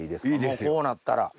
もうこうなったら。